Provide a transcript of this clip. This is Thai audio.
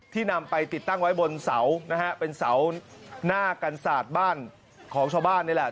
นำไปติดตั้งไว้บนเสานะฮะเป็นเสาหน้ากันศาสตร์บ้านของชาวบ้านนี่แหละ